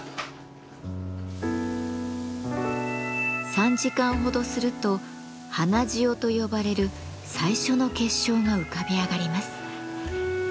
３時間ほどすると花塩と呼ばれる最初の結晶が浮かび上がります。